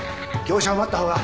業者を待った方が。